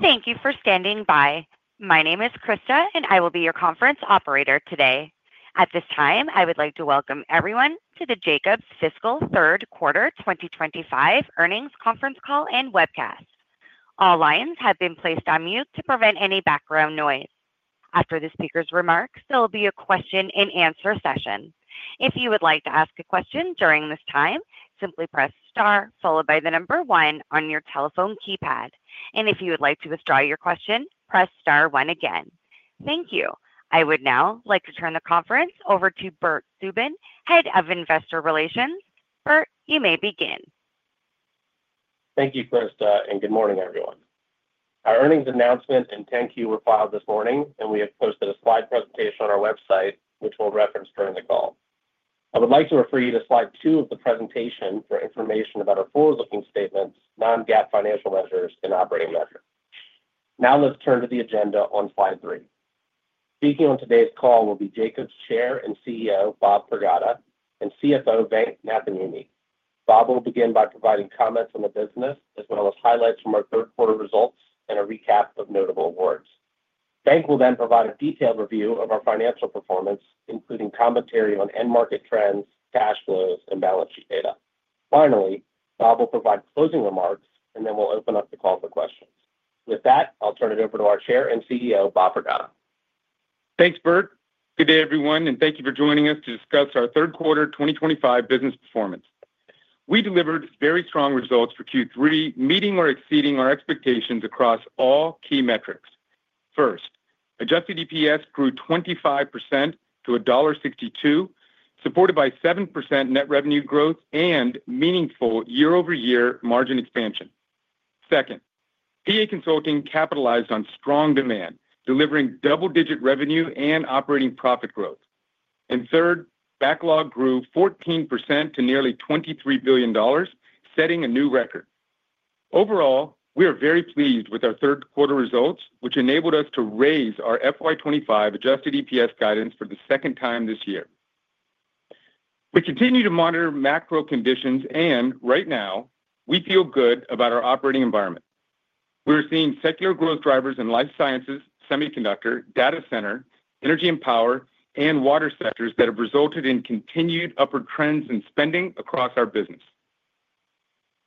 Thank you for standing by. My name is Krista and I will be your conference operator today. At this time I would like to welcome everyone to the Jacobs fiscal third quarter 2025 earnings conference call and webcast. All lines have been placed on mute to prevent any background noise. After the speakers' remarks, there will be a question and answer session. If you would like to ask a question during this time, simply press star followed by the number one on your telephone keypad. If you would like to withdraw your question, press star one again. Thank you. I would now like to turn the conference over to Bert Subin, Head of Investor Relations. Bert, you may begin. Thank you, Krista, and good morning, everyone. Our earnings announcement and 10-Q were filed this morning, and we have posted a slide presentation on our website, which we'll reference during the call. I would like to refer you to slide two of the presentation for information about our forward-looking statements, non-GAAP financial measures, and operating measures. Now let's turn to the agenda on slide three. Speaking on today's call will be Jacobs Chair and CEO Bob Pragada and CFO Venk Nathamuni. Bob will begin by providing comments on the business as well as highlights from our third quarter results and a recap of notable awards. Venk will then provide a detailed review of our financial performance, including commentary on end market trends, cash flows, and balance sheet data. Finally, Bob will provide closing remarks, and then we'll open up the call for questions. With that, I'll turn it over to our Chair and CEO, Bob Pragada. Thanks Bert. Good day everyone and thank you for joining us to discuss our third quarter 2025 business performance. We delivered very strong results for Q3, meeting or exceeding our expectations across all key metrics. First, adjusted EPS grew 25% to $1.62, supported by 7% net revenue growth and meaningful year-over-year margin expansion. Second, PA Consulting capitalized on strong demand, delivering double-digit revenue and operating profit growth. Third, backlog grew 14% to nearly $23 billion, setting a new record. Overall, we are very pleased with our third quarter results, which enabled us to raise our FY 2025 adjusted EPS guidance for the second time this year. We continue to monitor macro conditions and right now we feel good about our operating environment. We are seeing secular growth drivers in life sciences, semiconductor, data center, energy and power, and water sectors that have resulted in continued upward trends in spending across our business.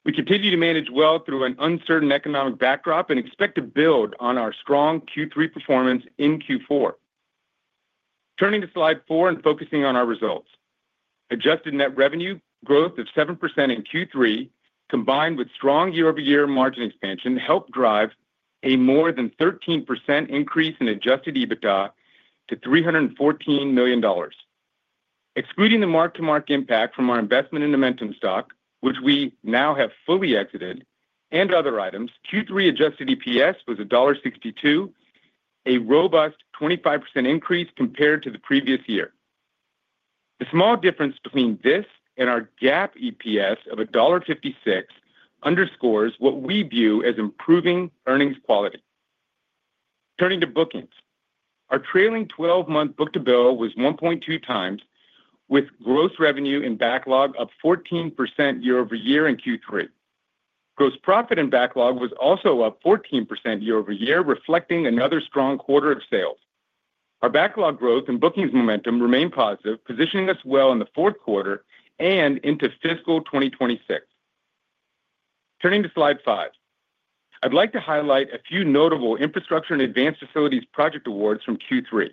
We continue to manage well through an uncertain economic backdrop and expect to build on our strong Q3 performance in Q4. Turning to slide four and focusing on our results, adjusted net revenue growth of 7% in Q3 combined with strong year-over-year margin expansion helped drive a more than 13% increase in adjusted EBITDA to $314 million. Excluding the mark to market impact from our investment in Amentum stock, which we now have fully exited, and other items, Q3 adjusted EPS was $1.62, a robust 25% increase compared to the previous year. The small difference between this and our GAAP EPS of $1.56 underscores what we view as improving earnings quality. Turning to bookings, our trailing 12 month book to bill was 1.2x, with gross revenue and backlog up 14% year-over-year in Q3. Gross profit and backlog was also up 14% year-over-year, reflecting another strong quarter of sales. Our backlog growth and bookings Amentum remain positive, positioning us well in the fourth quarter and into fiscal 2026. Turning to slide five, I'd like to highlight a few notable infrastructure and advanced facilities project awards from Q3.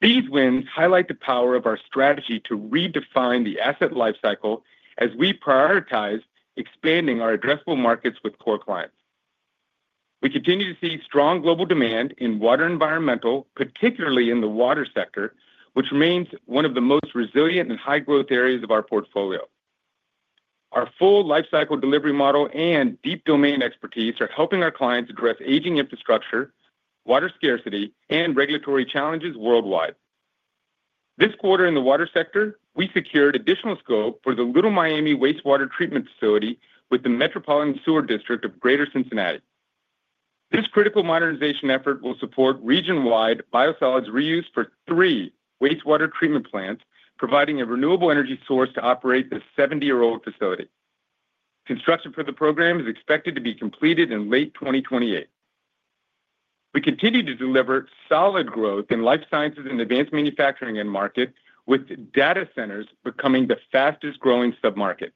These wins highlight the power of our strategy to redefine the asset lifecycle as we prioritize expanding our addressable markets with core clients. We continue to see strong global demand in water environmental, particularly in the water sector, which remains one of the most resilient and high growth areas of our portfolio. Our full life cycle delivery model and deep domain expertise are helping our clients address aging infrastructure, water scarcity, and regulatory challenges worldwide. This quarter in the water sector, we secured additional scope for the Little Miami Wastewater Treatment Facility with the Metropolitan Sewer District of Greater Cincinnati. This critical modernization effort will support region-wide biosolids reuse for three wastewater treatment plants, providing a renewable energy source to operate this 70-year-old facility. Construction for the program is expected to be completed in late 2028. We continue to deliver solid growth in life sciences and advanced manufacturing end markets, with data centers becoming the fastest growing submarket.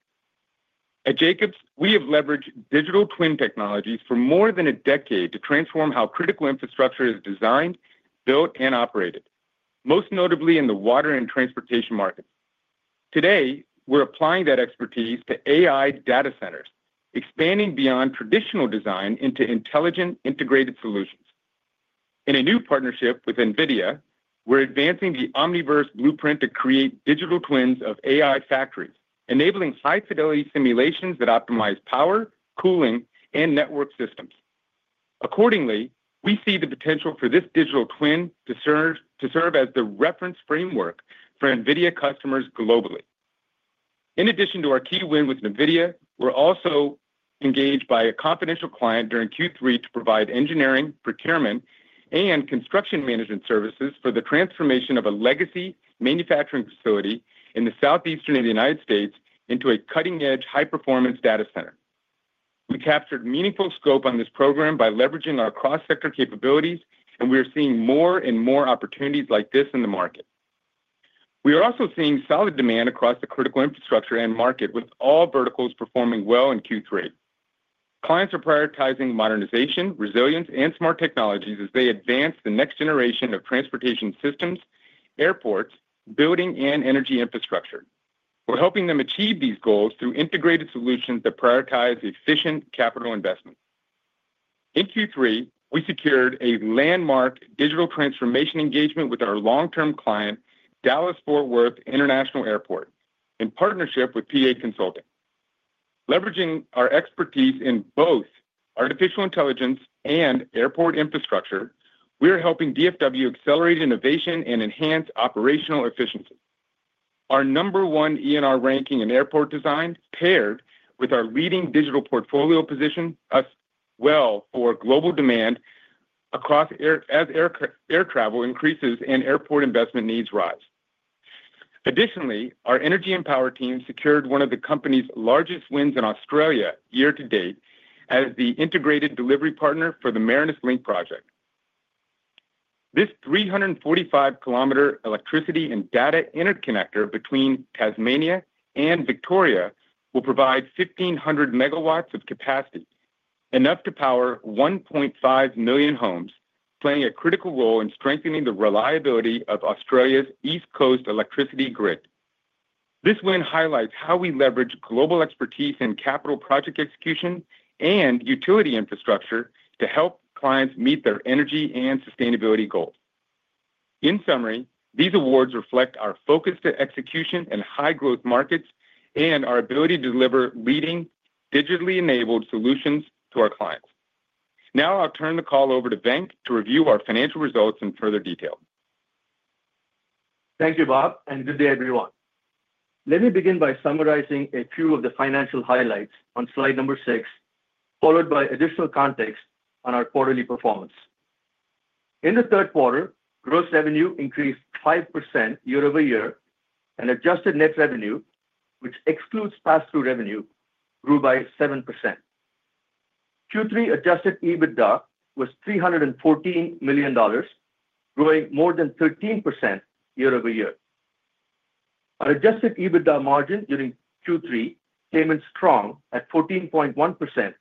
At Jacobs, we have leveraged digital twin technologies for more than a decade to transform how critical infrastructure is designed, built, and operated, most notably in the water and transportation markets. Today, we're applying that expertise to AI data centers, expanding beyond traditional design into intelligent integrated solutions. In a new partnership with NVIDIA, we're advancing the Omniverse Blueprint to create digital twins of AI factories, enabling high-fidelity simulations that optimize power, cooling, and network systems. Accordingly, we see the potential for this digital twin to serve as the reference framework for NVIDIA customers globally. In addition to our key win with NVIDIA, we're also engaged by a confidential client during Q3 to provide engineering, procurement, and construction management services for the transformation of a legacy manufacturing facility in the Southeastern United States into a cutting-edge high-performance data center. We captured meaningful scope on this program by leveraging our cross-sector capabilities, and we are seeing more and more opportunities like this in the market. We are also seeing solid demand across the critical infrastructure end market, with all verticals performing well in Q3. Clients are prioritizing modernization, resilience, and smart technologies as they advance the next generation of transportation systems, airports, buildings, and energy infrastructure. We're helping them achieve these goals through integrated solutions that prioritize efficient capital investment. In Q3, we secured a landmark digital transformation engagement with our long-term client Dallas Fort Worth International Airport in partnership with PA Consulting. Leveraging our expertise in both artificial intelligence and airport infrastructure, we are helping DFW accelerate innovation and enhance operational efficiency. Our number one ENR ranking in airport design, paired with our leading digital portfolio, position us well for global demand across air as air travel increases and airport investment needs rise. Additionally, our energy and power team secured one of the company's largest wins in Australia year to date as the integrated delivery partner for the Marinus Link project. This 345 km electricity and data interconnector between Tasmania and Victoria will provide 1,500 MW of capacity, enough to power 1.5 million homes, playing a critical role in strengthening the reliability of Australia's East Coast electricity grid. This win highlights how we leverage global expertise and capital, project execution, and utility infrastructure to help clients meet their energy and sustainability goals. In summary, these awards reflect our focus to execution in high growth markets and our ability to deliver leading digitally enabled solutions to our clients. Now I'll turn the call over to Venk to review our financial results in further detail. Thank you, Bob, and good day, everyone. Let me begin by summarizing a few of the financial highlights on slide number six, followed by additional context on our quarterly performance. In the third quarter, gross revenue increased 5% year-over-year, and adjusted net revenue, which excludes pass-through revenue, grew by 7%. Q3 adjusted EBITDA was $314 million, growing more than 13% year-over-year. Our adjusted EBITDA margin during Q3 came in strong at 14.1%,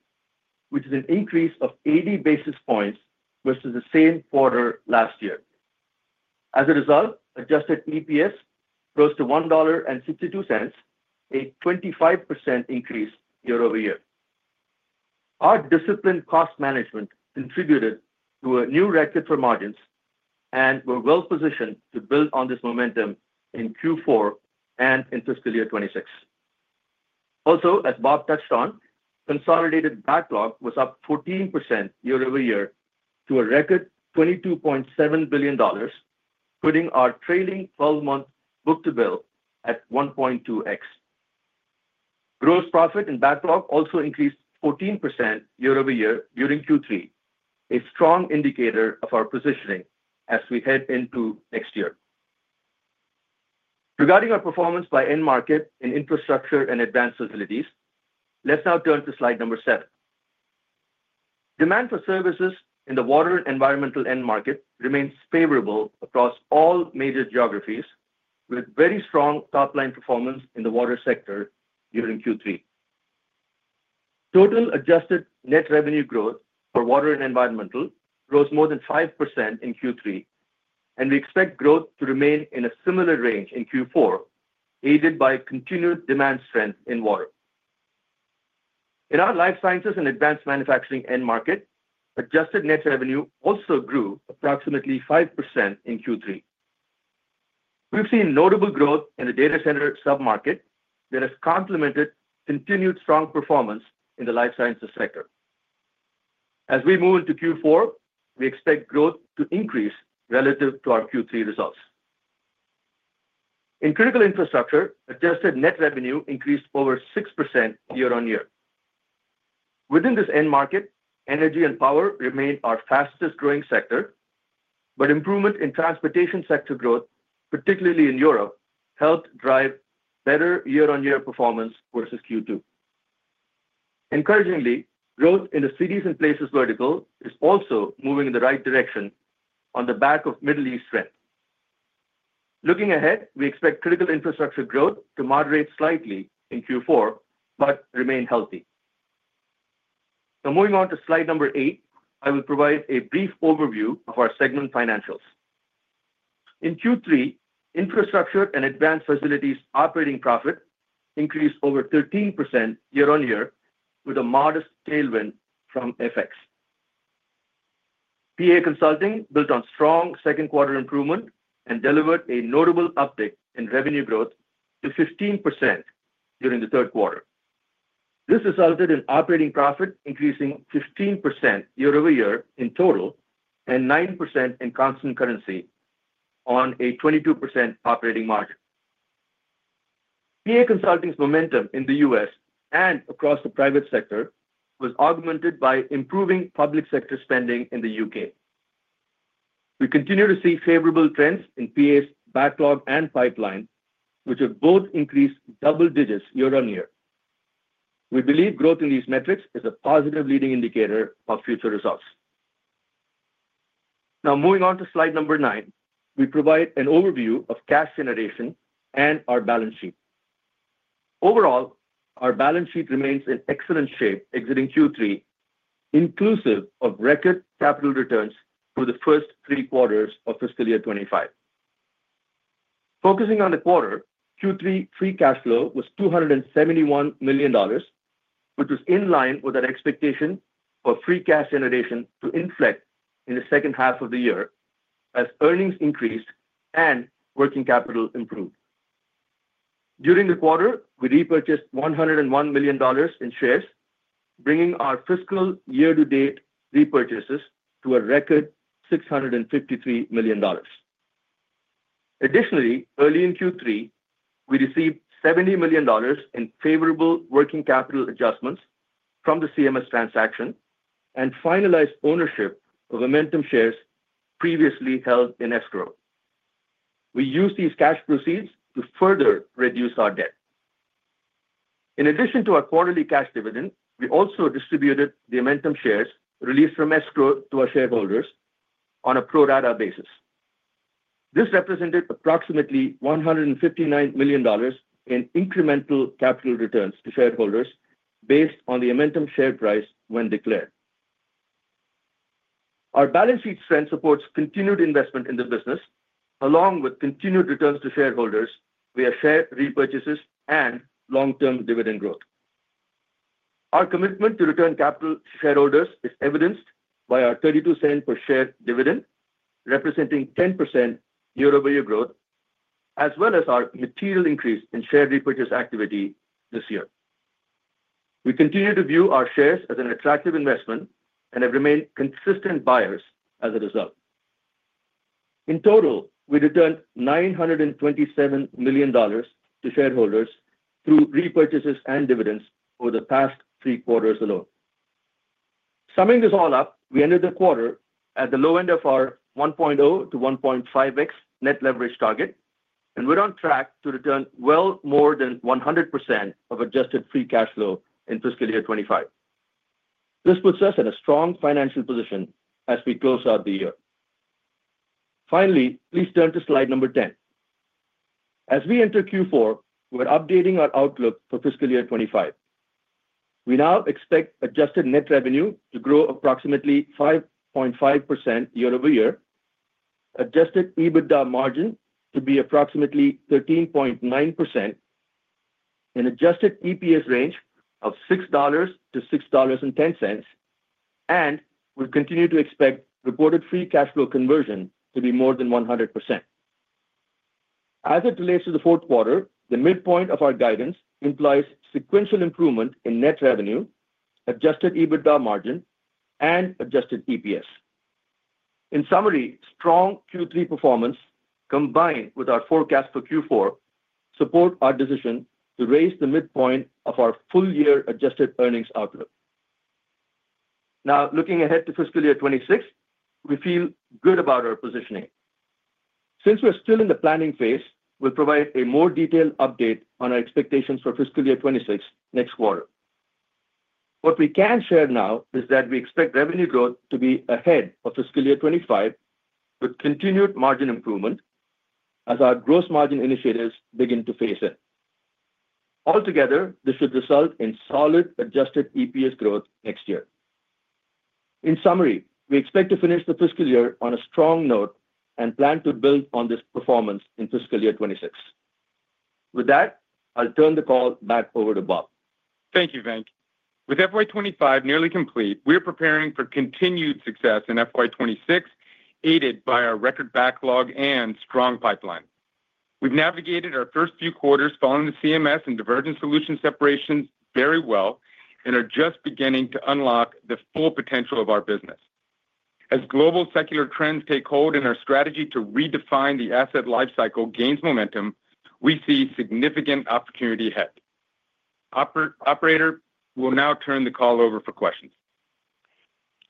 which is an increase of 80 basis points versus the same quarter last year. As a result, adjusted EPS closed at $1.62, a 25% increase year-over-year. Our disciplined cost management contributed to a new record for margins, and we're well-positioned to build on this momentum in Q4 and in fiscal year 2026. Also, as Bob touched on, consolidated backlog was up 14% year-over-year to a record $22.7 billion, putting our trailing 12-month book-to-bill at 1.2x. Gross profit in backlog also increased 14% year-over-year during Q3, a strong indicator of our positioning as we head into next year. Regarding our performance by end market in infrastructure and advanced facilities, let's now turn to slide number seven. Demand for services in the water and environmental end market remains favorable across all major geographies, with very strong top-line performance in the water sector during Q3. Total adjusted net revenue growth for water and environmental rose more than 5% in Q3, and we expect growth to remain in a similar range in Q4, aided by continued demand strength in water. In our life sciences and advanced manufacturing end market, adjusted net revenue also grew approximately 5% in Q3. We've seen notable growth in the data center submarket that has complemented continued strong performance in the life sciences sector. As we move into Q4, we expect growth to increase relative to our Q3 results. In critical infrastructure, adjusted net revenue increased over 6% year on year. Within this end market, energy and power remain our fastest growing sector, but improvement in transportation sector growth, particularly in Europe, helped drive better year on year performance versus Q2. Encouragingly, growth in the cities and places vertical is also moving in the right direction on the back of Middle East trend. Looking ahead, we expect critical infrastructure growth to moderate slightly in Q4 but remain healthy. Now, moving on to slide number eight, I will provide a brief overview of our segment financials. In Q3 infrastructure and advanced facilities operating profit increased over 13% year on year with a modest tailwind from FX. PA Consulting built on strong second quarter improvement and delivered a notable uptick in revenue growth to 15% during the third quarter. This resulted in operating profit increasing 15% year-over-year in total and 9% in constant currency on a 22% operating margin. PA Consulting's Amentum in the U.S. and across the private sector was augmented by improving public sector spending in the U.K. We continue to see favorable trends in PA's backlog and pipeline, which have both increased double digits year on year. We believe growth in these metrics is a positive leading indicator of future results. Now moving on to slide number nine, we provide an overview of cash generation and our balance sheet. Overall, our balance sheet remains in excellent shape exiting Q3 inclusive of record capital returns for the first three quarters of fiscal year 2025. Focusing on the quarter, Q3 free cash flow was $271 million, which was in line with our expectation for free cash generation to inflect in the second half of the year as earnings increased and working capital improved. During the quarter, we repurchased $101 million in shares, bringing our fiscal year to date repurchases to a record $653 million. Additionally, early in Q3, we received $70 million in favorable working capital adjustments from the CMS transaction and finalized ownership of Amentum shares previously held in escrow. We used these cash proceeds to further reduce our debt. In addition to our quarterly cash dividend, we also distributed the Amentum shares released from escrow to our shareholders. On a pro rata basis, this represented approximately $159 million in incremental capital returns to shareholders based on the Amentum share price when declared. Our balance sheet strength supports continued investment in the business along with continued returns to shareholders via share repurchases and long-term dividend growth. Our commitment to return capital to shareholders is evidenced by our $0.32 per share dividend representing 10% year-over-year growth, as well as our material increase in share repurchase activity this year. We continue to view our shares as an attractive investment and have remained consistent buyers as a result. In total, we returned $927 million to shareholders through repurchases and dividends over the past three quarters alone. Summing this all up, we ended the quarter at the low end of our 1.0x-1.5x net leverage target, and we're on track to return well more than 100% of adjusted free cash flow in fiscal year 2025. This puts us in a strong financial position as we close out the year. Finally, please turn to slide number 10. As we enter Q4, we're updating our outlook for fiscal year 2025. We now expect adjusted net revenue to grow approximately 5.5% year-over-year, adjusted EBITDA margin to be approximately 13.9%, an adjusted EPS range of $6-$6.10, and we continue to expect reported free cash flow conversion to be more than 100%. As it relates to the fourth quarter, the midpoint of our guidance implies sequential improvement in net revenue, adjusted EBITDA margin, and adjusted EPS. In summary, strong Q3 performance combined with our forecast for Q4 support our decision to raise the midpoint of our full year adjusted earnings outlook. Now, looking ahead to fiscal year 2026, we feel good about our positioning. Since we're still in the planning phase, we'll provide a more detailed update on our expectations for fiscal year 2026 next quarter. What we can share now is that we expect revenue growth to be ahead of fiscal year 2025 with continued margin improvement as our gross margin initiatives begin to phase in. Altogether, this should result in solid adjusted EPS growth next year. In summary, we expect to finish the fiscal year on a strong note and plan to build on this performance in fiscal year 2026. With that, I'll turn the call back over to Bob. Thank you, Venk. With FY 2025 nearly complete, we are preparing for continued success in FY 2026, aided by our record backlog and strong pipeline. We've navigated our first few quarters following the CMS and Divergent Solutions separation very well and are just beginning to unlock the full potential of our business. As global secular trends take hold and our strategy to redefine the asset lifecycle gains momentum, we see significant opportunity ahead. Operator, we will now turn the call over for questions.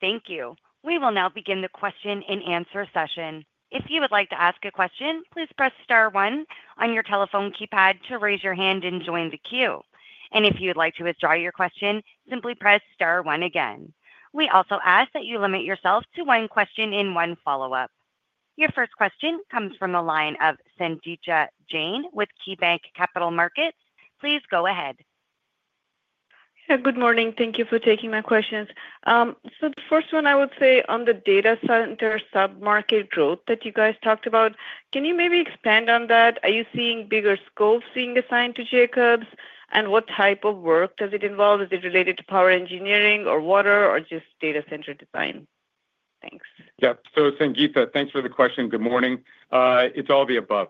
Thank you. We will now begin the question and answer session. If you would like to ask a question, please press star one on your telephone keypad to raise your hand and join the queue. If you'd like to withdraw your question, simply press star one again. We also ask that you limit yourself to one question and one follow up. Your first question comes from the line of Sangita Jain with KeyBanc Capital Markets. Please go ahead. Good morning. Thank you for taking my questions. The first one I would say on the data center submarket growth that you guys talked about, can you maybe expand on that? Are you seeing bigger scopes being assigned to Jacobs and what type of work does it involve? Is it related to power engineering or water or just data center design? Thanks. Yep. Sangita, thanks for the question. Good morning. It's all the above.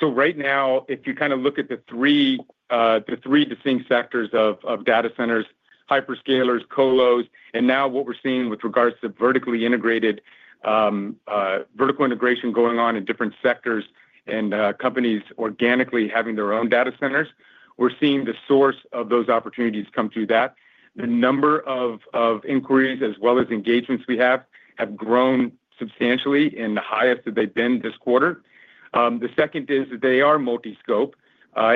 Right now if you kind of look at the three distinct sectors of data centers, hyperscalers, colos, and now what we're seeing with regards to vertically integrated vertical integration going on in different sectors and companies organically having their own data centers, we're seeing the source of those opportunities come through. The number of inquiries as well as engagements we have have grown substantially and are the highest that they've been this quarter. The second is that they are multiscope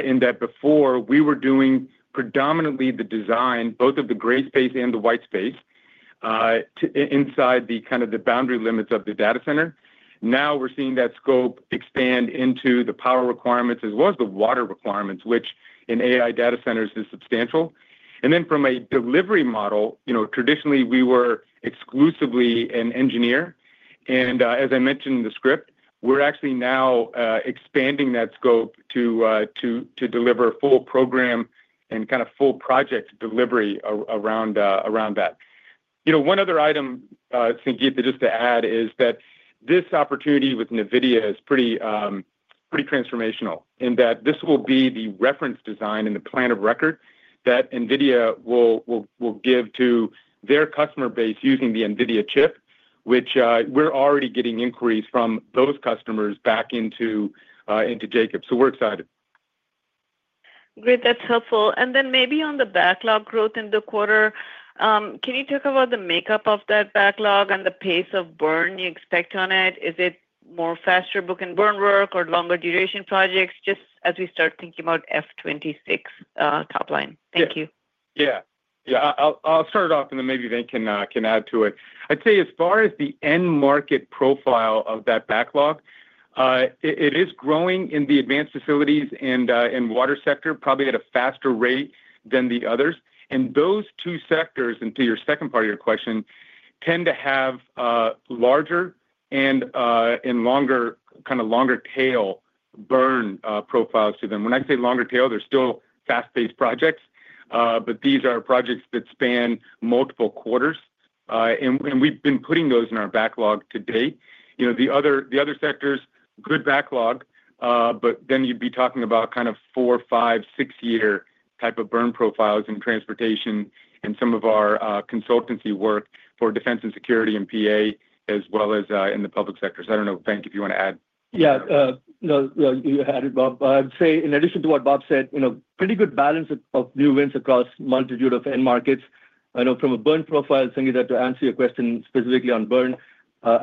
in that before we were doing predominantly the design both of the gray space and the white space inside the boundary limits of the data center. Now we're seeing that scope expand into the power requirements as well as the water requirements, which in AI data centers is substantial. From a delivery model, traditionally we were exclusively an engineer and as I mentioned in the script, we're actually now expanding that scope to deliver full program and full project delivery around that. One other item, Sangita, just to add is that this opportunity with NVIDIA is pretty transformational in that this will be the reference design and the plan of record that NVIDIA will give to their customer base using the NVIDIA chip, which we're already getting inquiries from those customers back into Jacobs. We're excited. Great, that's helpful. Maybe on the backlog growth in the quarter, can you talk about the makeup of that backlog and the pace of burn you expect on it? Is it more faster book and burn work or longer duration projects? Just as we start thinking about F 2026 top line. Thank you. Yeah, I'll start it off and then maybe Venk can add to it. I'd say as far as the end market profile of that backlog, it is growing in the advanced facilities and in water sector probably at a faster rate than the others. Those two sectors, and to your second part of your question, tend to have larger and longer tail burn profiles to them. When I say longer tail, they're still fast-paced projects, but these are projects that span multiple quarters and we've been putting those in our backlog to date. The other sectors, good backlog, but then you'd be talking about kind of four, five, six year type of burn profiles in transportation and some of our consulting work for defense and security and PA as well as in the public sector. I don’t know, Venk, if want to add? Yeah, you had it, Bob. I would say in addition to what Bob said, pretty good balance of new wins across a multitude of end markets. I know from a burn profile, Sangita, to answer your question specifically on burn,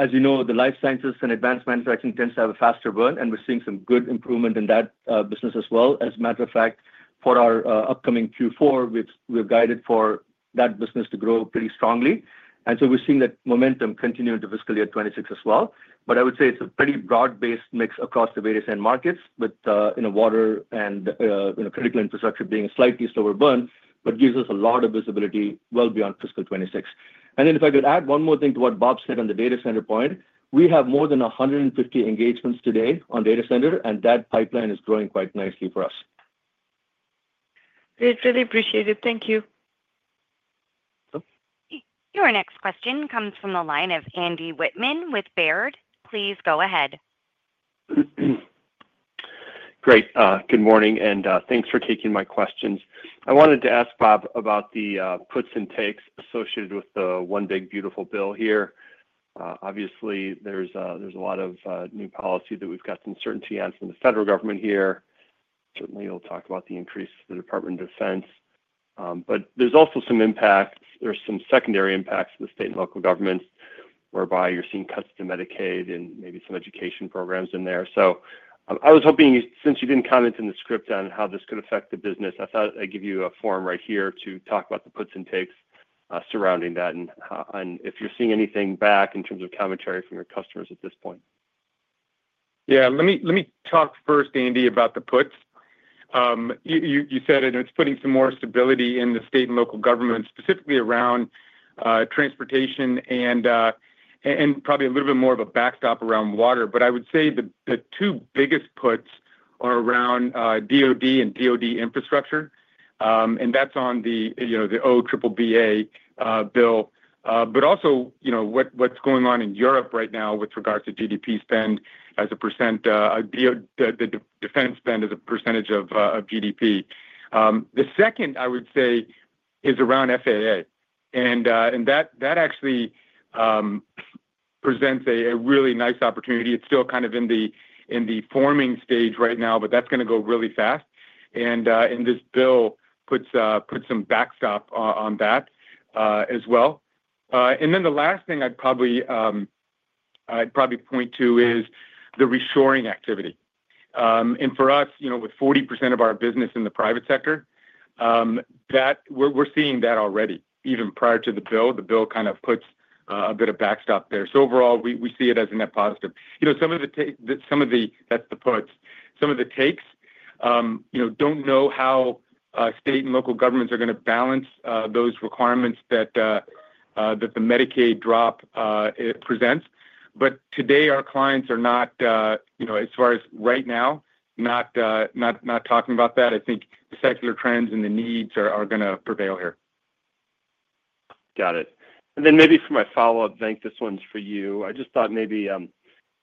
as you know the life sciences and advanced manufacturing tends to have a faster burn and we're seeing some good improvement in that business as well. As a matter of fact, for our upcoming Q4 we've guided for that business to grow pretty strongly and we're seeing that momentum continue into fiscal year 2026 as well. I would say it's a pretty broad-based mix across the various end markets, with water and critical infrastructure being a slightly slower burn, but gives us a lot of visibility well beyond fiscal 2026. If I could add one more thing to what Bob said on the data center point, we have more than 150 engagements today on data center and that pipeline is growing quite nicely for us. Really appreciate it. Thank you. Your next question comes from the line of Andy Wittmann with Baird. Please go ahead. Great. Good morning and thanks for taking my questions. I wanted to ask Bob about the puts and takes associated with the one big beautiful bill here. Obviously, there's a lot of new policy that we've got uncertainty on from the federal government here. Certainly we'll talk about the increase, the Department of Defense, but there's also some impacts, some secondary impacts to the state and local governments whereby you're seeing cuts to Medicaid and maybe some education programs in there. I was hoping, since you didn't comment in the script on how this could affect the business, I thought I'd give you a forum right here to talk about the puts and takes surrounding that, and if you're seeing anything back in terms of commentary from your customers at this point. Yeah, let me talk first, Andy, about the puts. You said it's putting some more stability in the state and local government, specifically around transportation and probably a little bit more of a backstop around water. I would say the two biggest puts are around DoD and DoD infrastructure, and that's on the, you know, the OBBBA bill. Also, what's going on in Europe right now with regards to GDP spend as a percent, the defense spend as a percentage of GDP. The second I would say is around FAA, and that actually presents a really nice opportunity. It's still kind of in the forming stage right now, but that's going to go really fast. In this bill, puts put some backstop on that as well. The last thing I'd probably point to is the reshoring activity. For us, with 40% of our business in the private sector, we're seeing that already even prior to the bill. The bill kind of puts a bit of backstop there. Overall, we see it as a net positive. Some of the did, some of the at the ports, some of the takes, don't know how state and local governments are going to balance those requirements that the Medicaid drop presents. Today our clients are not, as far as right now, not talking about that. I think secular trends and the needs are going to prevail here. Got it. And then maybe for my follow-up, Venk, this one’s for you. I just thought maybe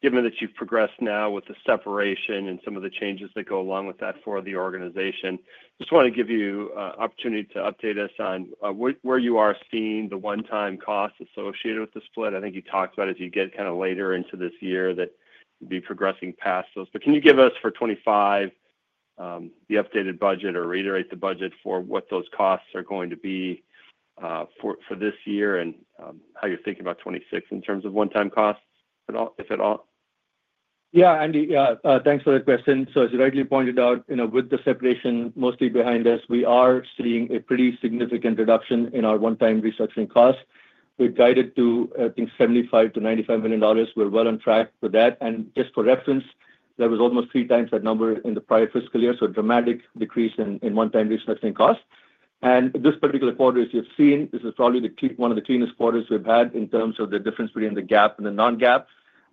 given that you've progressed now with the separation and some of the changes that go along with that for the organization, just want to give you opportunity to update us on where you are seeing the one time costs associated with the split. I think you talked about as you get kind of later into this year that you'll be progressing past those. Can you give us for 2025 the updated budget or reiterate the budget for what those costs are going to be for this year and how you're thinking about 2026 in terms of one time costs, if at all? Yeah, Andy, thanks for the question. As you rightly pointed out, with the separation mostly behind us, we are seeing a pretty significant reduction in our one-time restructuring costs. We guided to, I think, $75 million-$95 million. We're well on track with that. Just for reference, that was almost 3x that number in the prior fiscal year, so a dramatic decrease in one-time restructuring cost. This particular quarter, as you've seen, is probably one of the cleanest quarters we've had in terms of the difference between the GAAP and the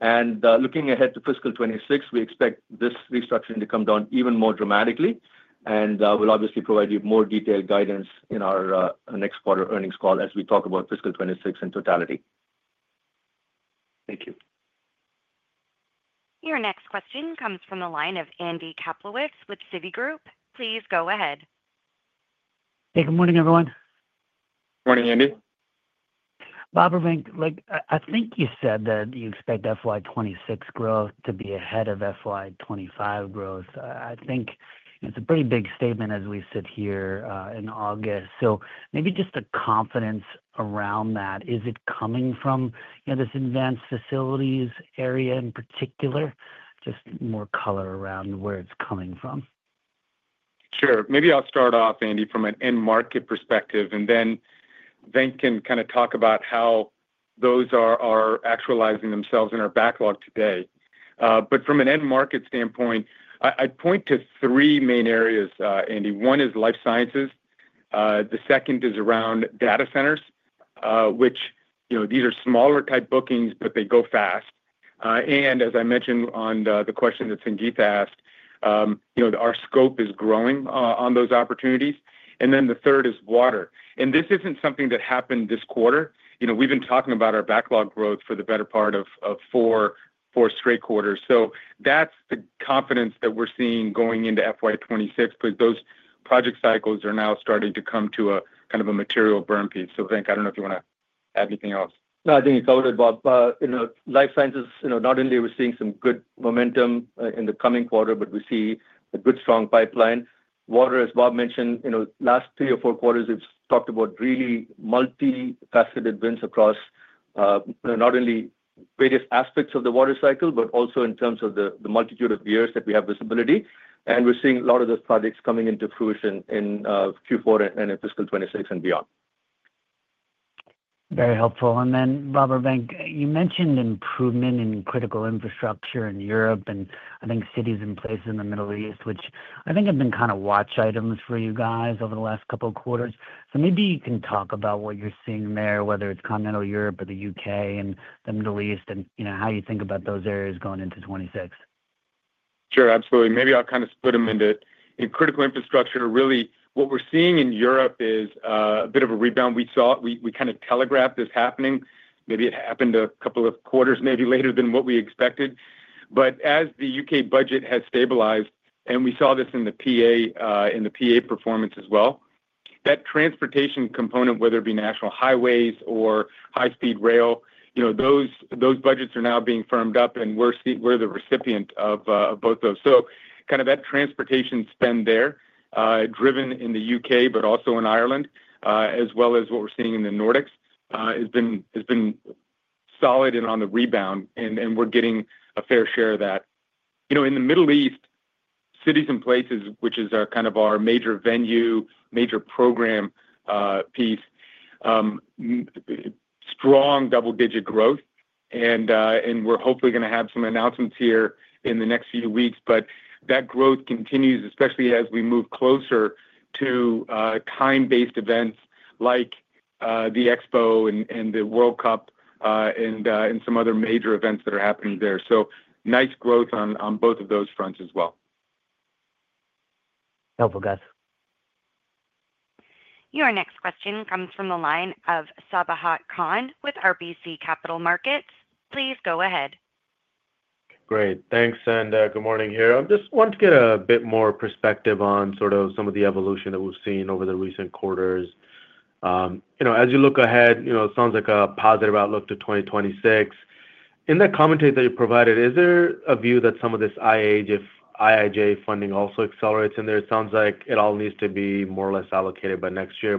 non-GAAP. Looking ahead to fiscal 2026, we expect this restructuring to come down even more dramatically. We'll obviously provide you more detailed guidance in our next quarter earnings call as we talk about fiscal 2026 in totality. Thank you. Your next question comes from the line of Andy Kaplowitz with Citigroup. Please go ahead. Good morning, everyone. Morning, Andy. Bob or Venk, I think you said that you expect FY 2026 growth to be ahead of FY 2025 growth. I think it's a pretty big statement as we sit here in August. Maybe just the confidence around that, is it coming from this advanced facilities area in particular, just more color around where it's coming from? Sure. Maybe I'll start off, Andy, from an end market perspective and then Venk can kind of talk about how those are actualizing themselves in our backlog today. From an end market standpoint, I'd point to three main areas, Andy. One is life sciences. The second is around data centers, which these are smaller type bookings, but they go fast. As I mentioned on the question that Sangita asked, you know, our scope is growing on those opportunities. The third is water. This isn't something that happened this quarter. You know, we've been talking about our backlog growth for the better part of four straight quarters. That's the confidence that we're seeing going into FY 2026. Those project cycles are now starting to come to a kind of a material burn piece. Venk, I don't know if you want to add anything else? No, I think you covered it, Bob. Life sciences not only we're seeing some good Amentum in the coming quarter, but we see a good strong pipeline. Water, as Bob mentioned, in the last three or four quarters we've talked about really multifaceted wins across not only various aspects of the water cycle, but also in terms of the multitude of years that we have visibility. We're seeing a lot of those projects coming into fruition in Q4 and in fiscal 2026 and beyond. Very helpful. Bob or Venk, you mentioned improvement in critical infrastructure in Europe, and I think cities and places in the Middle East, which I think have been kind of watch items for you guys over the last couple of quarters. Maybe you can talk about what you're seeing there, whether it's continental Europe or the U.K. and the Middle East, and how you think about those areas going into 2026. Sure, absolutely. Maybe I'll kind of split them into critical infrastructure. Really what we're seeing in Europe is a bit of a rebound. We saw, we kind of telegraphed this happening. Maybe it happened a couple of quarters, maybe later than what we expected. As the U.K. budget has stabilized and we saw this in the PA performance as well, that transportation component, whether it be national highways or high speed rail, those budgets are now being firmed up and we're the recipient of both those. That transportation spend there driven in the U.K. but also in Ireland as well as what we're seeing in the Nordics has been solid and on the rebound and we're getting a fair share of that. In the Middle East cities and places, which is our major venue, major program piece, strong double-digit growth and we're hopefully going to have some announcements here in the next few weeks. That growth continues especially as we move closer to time-based events like the Expo and the World Cup and some other major events that are happening there. Nice growth on both of those fronts as well. Helpful guys. Your next question comes from the line of Sabahat Khan with RBC Capital Markets. Please go ahead. Great, thanks and good morning here. I just wanted to get a bit more perspective on sort of some of the evolution that we've seen over the recent quarters. As you look ahead, it sounds like a positive outlook to 2026. In that commentary that you provided, is there a view that some of this IIJA funding also accelerates in there? It sounds like it all needs to be more or less allocated by next year.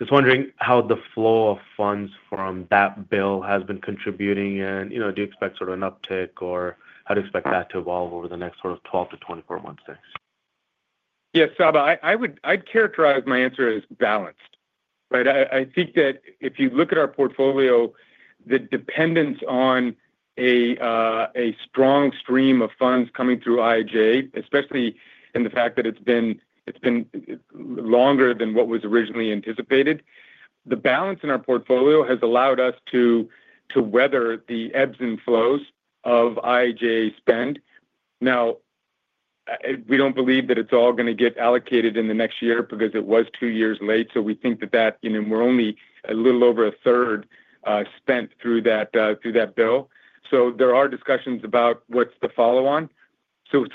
I'm just wondering how the flow of funds from that bill has been contributing, and do you expect sort of an uptick, or how do you expect that to evolve over the next 12-24 months? Yes, Saba, I'd characterize my answer as balanced. I think that if you look at our portfolio, the dependence on a strong stream of funds coming through IIJA, especially in the fact that it's been longer than what was originally anticipated, the balance in our portfolio has allowed us to weather the ebbs and flows of IIJA spend. We don't believe that it's all going to get allocated in the next year because it was two years late. We think that, you know, we're only a little over 1/3 spent through that, through that bill. There are discussions about what's the follow on.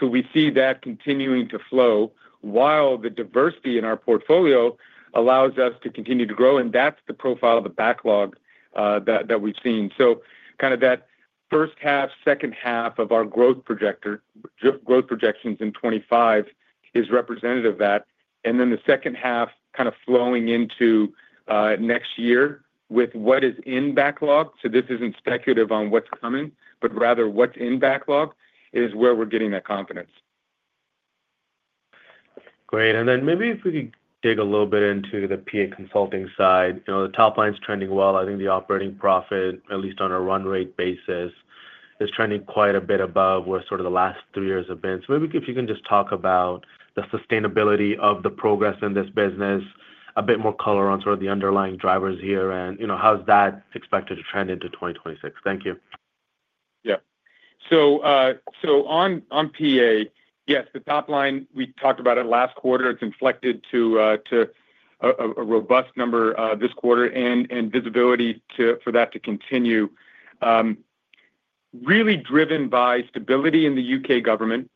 We see that continuing to flow while the diversity in our portfolio allows us to continue to grow. That's the profile of the backlog that we've seen. Kind of that first half, second half of our growth projections in 2025 is representative of that, and then the second half kind of flowing into next year with what is in backlog. This isn't speculative on what's coming, but rather what's in backlog is where we're getting that confidence. Great. Maybe if we could dig a little bit into the PA Consulting side, you know, the top line is trending well. I think the operating profit, at least on a run rate basis, is trending quite a bit above where sort of the last three years have been. If you can just talk about the sustainability of the progress in this business, a bit more color on sort of the underlying drivers here, and how's that expected to trend into 2026? Thank you. Yeah. On PA, yes, the top line, we talked about it last quarter. It's inflected to a robust number this quarter, and visibility for that to continue, really driven by stability in the U.K. government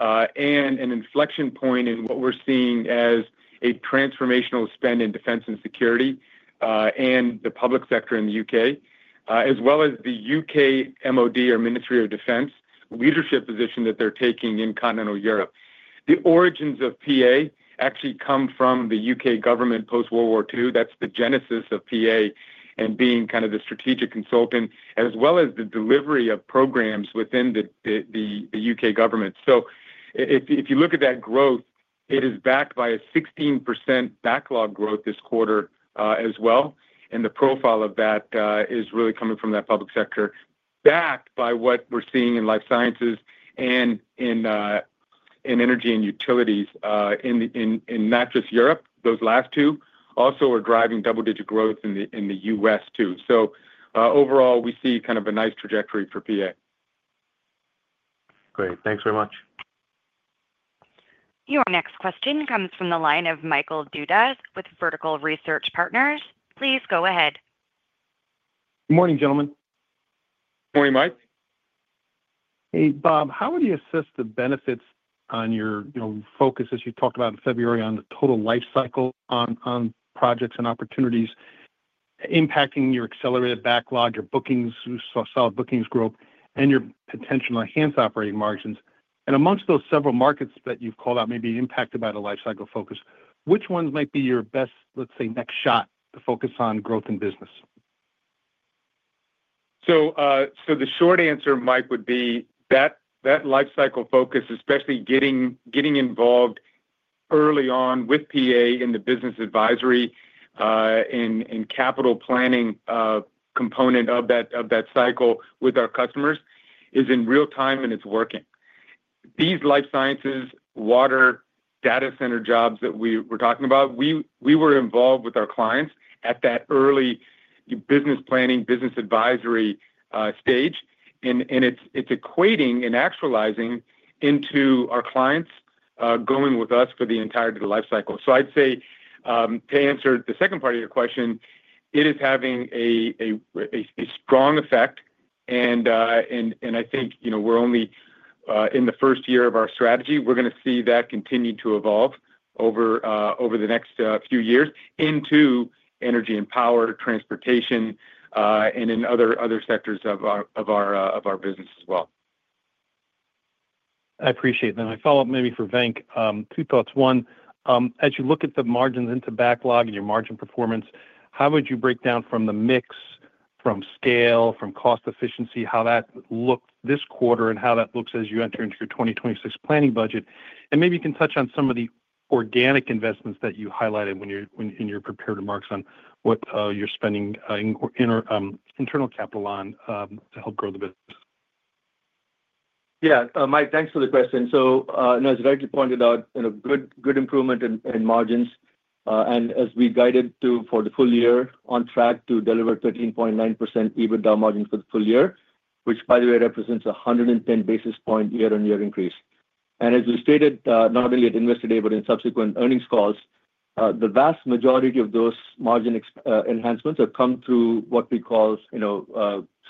and an inflection point in what we're seeing as a transformational spend in defense and security and the public sector in the U.K., as well as the U.K. MOD or Ministry of Defence leadership position that they're taking in continental Europe. The origins of PA actually come from the U.K. government post-World War II. That's the genesis of PA and being kind of the strategic consultant as well as the delivery of programs within the U.K. government. If you look at that growth, it is backed by a 16% backlog growth this quarter as well. The profile of that is really coming from that public sector backed by what we're seeing in life sciences and in energy and utilities in, not just Europe. Those last two also are driving double-digit growth in the U.S. too. Overall, we see kind of a nice trajectory for PA. Great, thanks very much. Your next question comes from the line of Michael Dudas with Vertical Research Partners. Please go ahead. Morning, gentlemen. Morning, Mike. Hey Bob. How would you assess the benefits on your focus as you talked about in February on the total lifecycle on projects and opportunities impacting your accelerated backlog, your bookings? You saw solid bookings growth and your potential enhanced operating margins. Amongst those several markets that you've called out may be impacted by the lifecycle focus, which ones might be your best, let's say next shot to focus on growth in business. The short answer, Mike, would be that lifecycle focus, especially getting involved early on with PA in the business advisory and capital planning component of that cycle with our customers, is in real-time and it's working. These life sciences, water, data center jobs that we were talking about, we were involved with our clients at that early business planning, business advisory stage, and it's equating and actualizing into our clients going with us for the entirety of the lifecycle. I'd say to answer the second part of your question, it is having a strong effect and I think we're only in the first year of our strategy. We're going to see that continue to evolve over the next few years into energy and power, transportation, and in other sectors of our business as well. I appreciate that. My follow-up maybe for Venk. Two thoughts. One, as you look at the margins into backlog and your margin performance, how would you break down from the mix, from scale, from cost efficiency, how that looked this quarter and how that looks as you enter into your 2026 planning budget. Maybe you can touch on some of the organic investments that you highlighted in your prepared remarks on what you're spending internal capital on to help grow the business. Yeah Mike, thanks for the question. So as rightly pointed out, good improvement in margins and as we guided to for the full year, on track to deliver 13.9% EBITDA margin for the full year, which by the way represents a 110 basis point year-on-year increase. As we stated not only at Investor Day but in subsequent earnings calls, the vast majority of those margin enhancements have come through what we call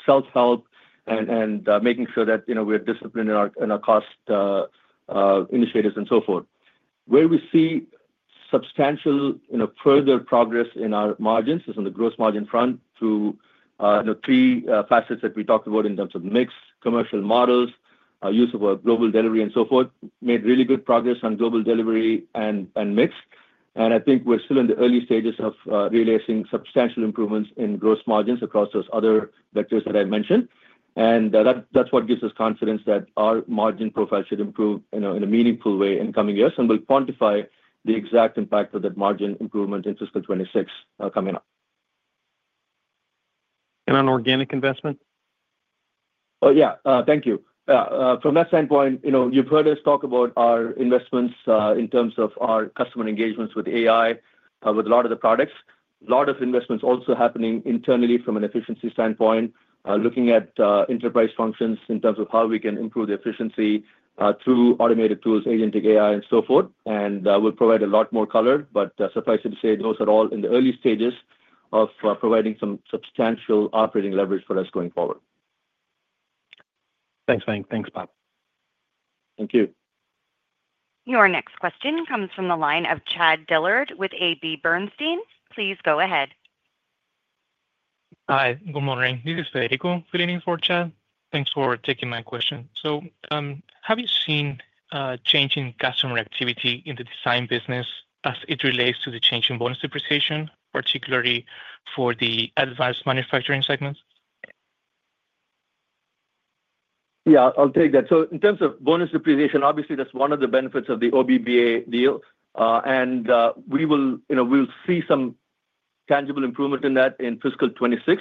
self help and making sure that we're disciplined in our cost initiatives and so forth. Where we see substantial further progress in our margins is on the gross margin front through three facets that we talked about in terms of mix, commercial models, use of a global delivery and so forth. Made really good progress on global delivery and mix. I think we're still in the early stages of releasing substantial improvements in gross margins across those other vectors that I mentioned. That's what gives us confidence that our margin profile should improve in a meaningful way in coming years. We'll quantify the exact impact of that margin improvement in fiscal 2026 coming up. On organic investment? Yeah, thank you. From that standpoint, you've heard us talk about our investments in terms of our customer engagements with AI with a lot of the products, a lot of investments also happening internally from an efficiency standpoint, looking at enterprise functions in terms of how we can improve the efficiency through automated tools, agentic AI and so forth. We'll provide a lot more color. Suffice it to say, those are all in the early stages of providing some substantial operating leverage for us going forward. Thanks, Venk. Thanks, Bob. Thank you. Your next question comes from the line of Chad Dillard with AB Bernstein. Please go ahead. Hi, good morning. This is Federico filling in for Chad. Thanks for taking my question. Have you seen change in customer activity in the design business as it relates to the change in bonus depreciation, particularly for the advanced manufacturing segments? Yeah, I'll take that. In terms of bonus depreciation, obviously that's one of the benefits of the OBBA deal. We will see some tangible improvement in that in fiscal 2026.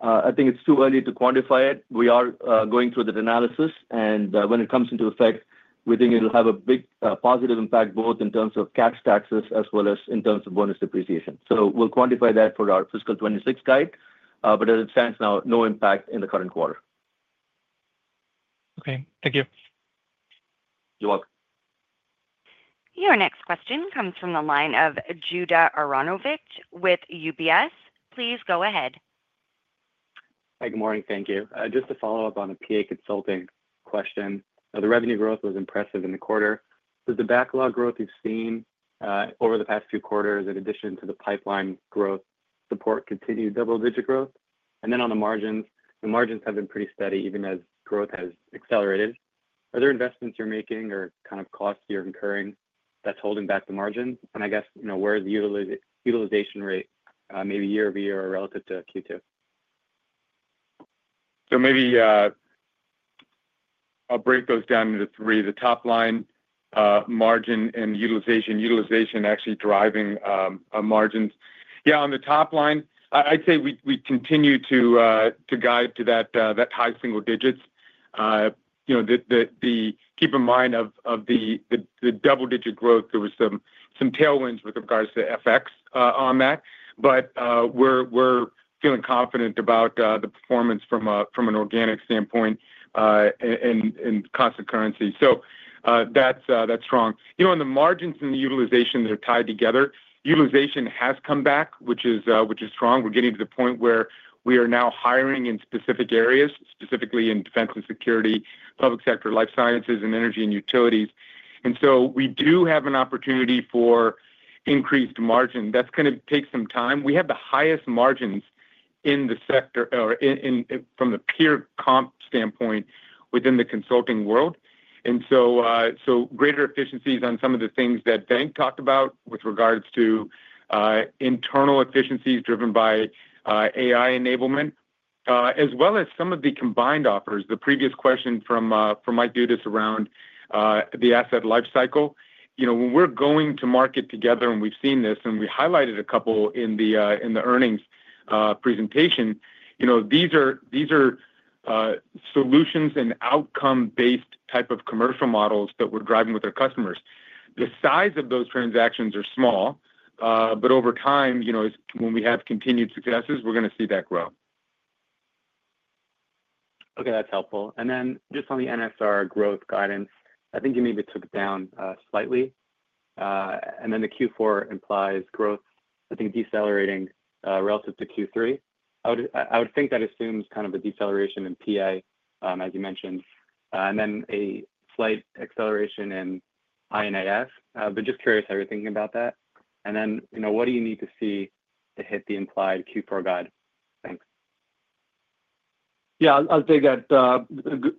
I think it's too early to quantify it. We are going through the analysis and when it comes into effect, we think it'll have a big positive impact both in terms of cash taxes as well as in terms of bonus depreciation. We'll quantify that for our fiscal 2026 guide, but as it stands now, no impact in the current quarter. Okay. Thank you. You're welcome. Your next question comes from the line of Judah Aronovitz with UBS. Please go ahead. Hi, good morning. Thank you. Just to follow up on a PA Consulting question, the revenue growth was impressive in the quarter. Does the backlog growth you've seen over the past two quarters, in addition to the pipeline growth, support continued double-digit growth? On the margins, the margins have been pretty steady even as growth has accelerated. Are there investments you're making or kind of costs you're incurring that's holding back the margin? I guess you know where the utilization rate may be year-over-year relative to Q2. Maybe I'll break those down into three. The top line, margin, and utilization. Utilization actually driving margins. On the top line, I'd say we continue to guide to that high single digits. Keep in mind, of the double-digit growth, there was some tailwinds with regards to FX on that, but we're feeling confident about the performance from an organic standpoint in cost of currency. That's strong. On the margins and the utilization that are tied together, utilization has come back, which is strong. We're getting to the point where we are now hiring in specific areas, specifically in defense and security, public sector, life sciences, and energy and utilities. We do have an opportunity for increased margin. That's going to take some time. We have the highest margins in the sector or from the peer comp standpoint within the consulting world, and greater efficiencies on some of the things that Venk talked about with regards to internal efficiencies driven by AI enablement as well as some of the combined offers. The previous question from Mike Dudas around the asset lifecycle, when we're going to market together and we've seen this and we highlighted a couple in the earnings presentation, these are solutions and outcome-based type of commercial models that we're driving with our customers. The size of those transactions are small, but over time, when we have continued successes, we're going to see that grow. Okay, that's helpful. Just on the NSR growth guidance, I think you maybe took it down slightly, and then the Q4 implies growth, I think, decelerating relative to Q3. I would think that assumes kind of a deceleration in PA as you mentioned, and then a slight acceleration in INAS. Just curious how you're thinking about that. What do you need to see to hit the implied Q4 guide? Thanks. Yeah, I'll take that.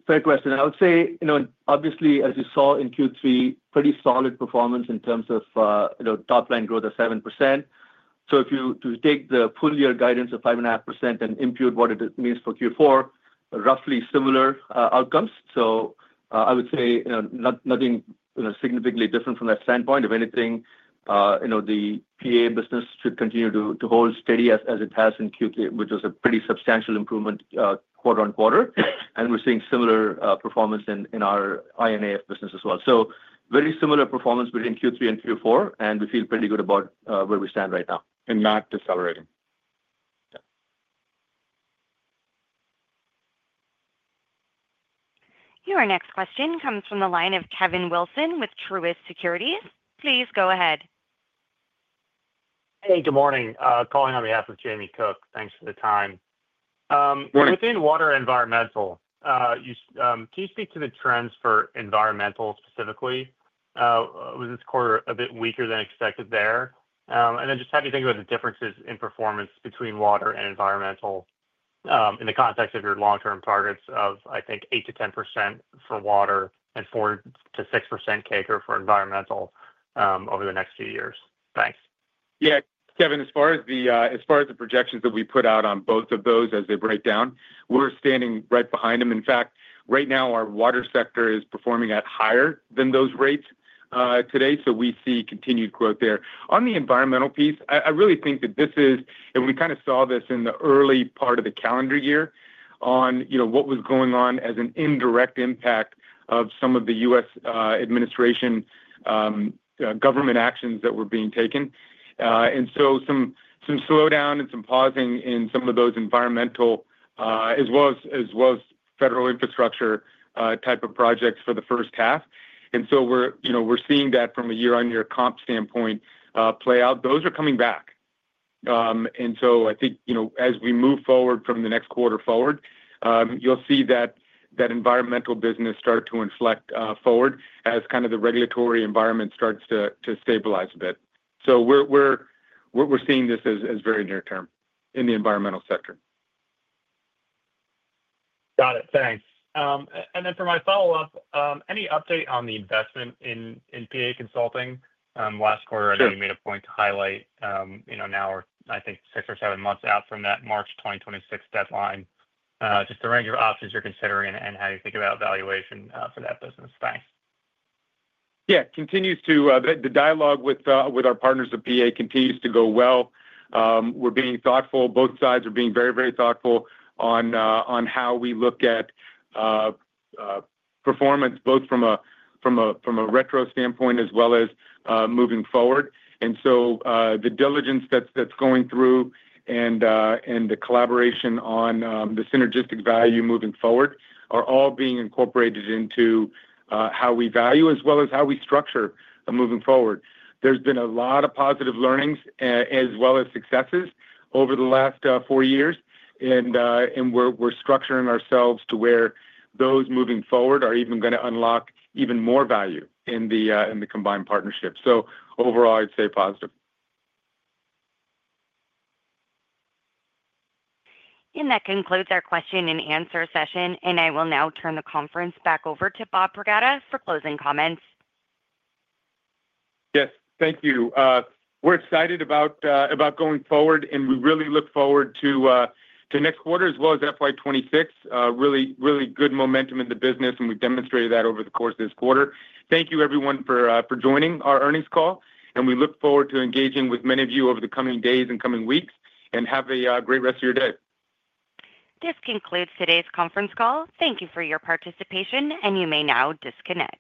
Fair question. I would say, you know, obviously as you saw in Q3, pretty solid performance in terms of top line growth of 7%. If you take the full year guidance of 5.5% and impute what it means for Q4, roughly similar outcomes. I would say nothing significantly different from that standpoint. If anything, the PA business should continue to hold steady as it has in Q3, which was a pretty substantial improvement quarter on quarter. We're seeing similar performance in our I&AF business as well. Very similar performance between Q3 and Q4, and we feel pretty good about where we stand right now, and not decelerating. Your next question comes from the line of Kevin Wilson with Truist Securities. Please go ahead. Hey, good morning, calling on behalf of Jamie Cook. Thanks for the time. Within water environmental, can you speak to the trends for environmental specifically? Was this quarter a bit weaker than expected there? How do you think about the differences in performance between water and environmental in the context of your long-term targets of I think 8%-10% for water and 4%-6% CAGR for environmental over the next few years. Thanks. Yeah, Kevin, as far as the projections that we put out on both of those as they break down, we're standing right behind them. In fact, right now our water sector is performing at higher than those rates today. We see continued growth there. On the environmental piece, I really think that this is, and we kind of saw this in the early part of the calendar year, on what was going on as an indirect impact of some of the U.S. administration government actions that were being taken. There was some slowdown and some pausing in some of those environmental as well as federal infrastructure type of projects for the first half. We're seeing that from a year-on-year comp standpoint play out. Those are coming back. I think as we move forward from the next quarter forward, you'll see that environmental business start to inflect forward as the regulatory environment starts to stabilize a bit. We're seeing this as very near-term in the environmental sector. Got it. Thanks. For my follow-up, any update on the investment in PA Consulting last quarter? I think you made a point to highlight, you know, now I think six or seven months out from that March 2026 deadline, just the range of options you're considering and how you think about valuation for that business space. Yeah. Continues to the dialogue with our partners of PA continues to go well. We're being thoughtful, both sides are being very, very thoughtful on how we look at performance both from a retro standpoint as well as moving forward. The diligence that's going through and the collaboration on the synergistic value moving forward are all being incorporated into how we value as well as how we structure moving forward. There's been a lot of positive learnings as well as successes over the last four years, and we're structuring ourselves to where those moving forward are even going to unlock even more value in the combined partnership. Overall, I'd say positive. That concludes our question and answer session. I will now turn the conference back over to Bob Pragada for closing comments. Yes, thank you. We're excited about going forward and we really look forward to next quarter as well as FY 2026. Really, really good momentum in the business, and we've demonstrated that over the course of this quarter. Thank you everyone for joining our earnings call, and we look forward to engaging with many of you over the coming days and coming weeks. Have a great rest of your day. This concludes today's conference call. Thank you for your participation, and you may now disconnect.